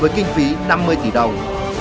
với kinh phí năm mươi tỷ đồng